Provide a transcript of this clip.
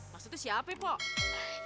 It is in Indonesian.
maksudnya siapa ya pok